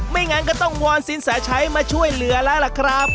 งั้นก็ต้องวอนสินแสชัยมาช่วยเหลือแล้วล่ะครับ